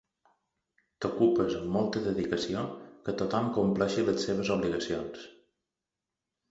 T'ocupes amb molta dedicació que tothom compleixi les seves obligacions.